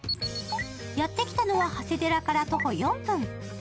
やってきたのは長谷寺から徒歩４分。